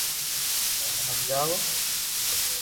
ايني ھمجاو